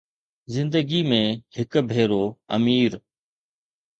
زندگي ۾ هڪ ڀيرو امير